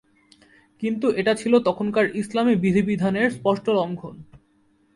কিন্তু এটা ছিলো তখনকার ইসলামী বিধি বিধানের স্পষ্ট লঙ্ঘন।